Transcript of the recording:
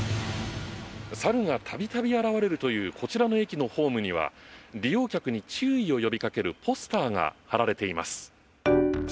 猿が度々現れるというこちらの駅のホームには利用客に注意を呼びかけるポスターが貼られています。